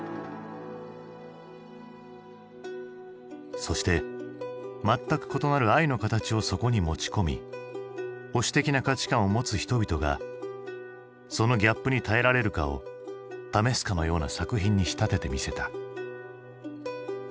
そして全く異なる愛の形をそこに持ち込み保守的な価値観を持つ人々がそのギャップに耐えられるかを試すかのような作品に仕立ててみせた。